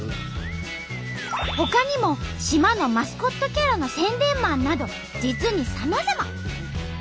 ほかにも島のマスコットキャラの宣伝マンなど実にさまざま！